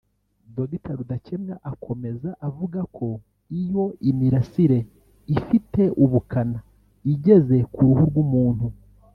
Dr Rudakemwa akomeza avuga ko iyo imirasire ifite ubukana igeze ku ruhu rw’umuntu